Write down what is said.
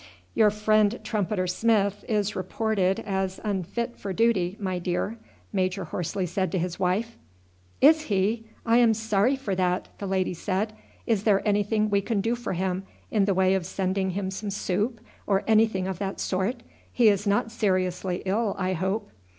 "Your friend Trumpeter Smith is reported as unfit for duty, my dear," Major Horsley said to his wife. "Is he! I am sorry for that," the lady said. "Is there anything we can do for him in the way of sending him some soup, or anything of that sort? He is not seriously ill, I hope?"